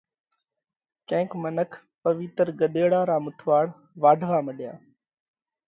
ڪينڪ منک پوَيتر ڳۮيڙا را مٿُوئاۯ واڍوا مڏيا،